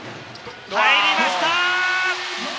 入りました！